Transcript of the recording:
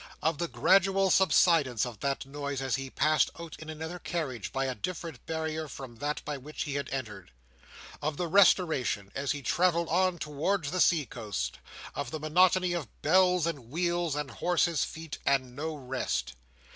Of the gradual subsidence of that noise as he passed out in another carriage by a different barrier from that by which he had entered. Of the restoration, as he travelled on towards the seacoast, of the monotony of bells and wheels, and horses' feet, and no rest.